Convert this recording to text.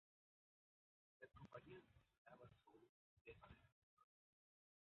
Las compañías funcionaban sobre un sistema de repertorio.